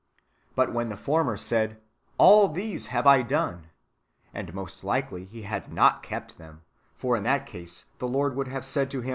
But when the former said, *' All these have I done " (and most likely he had not kept them, for in that case the Lord would not have said to him, ^ Isa.